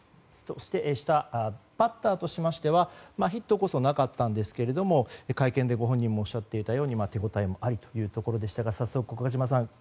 そして、バッターとしましてはヒットこそなかったんですけども会見でご本人もおっしゃっていたように手ごたえもありと早速、岡島さん。